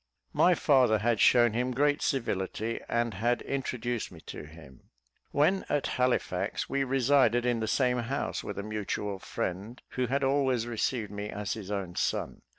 My father had shown him great civility, and had introduced me to him. When at Halifax, we resided in the same house with a mutual friend, who had always received me as his own son.